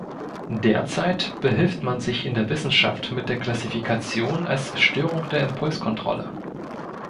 Derzeit behilft man sich in der Wissenschaft mit der Klassifikation als Störung der Impulskontrolle.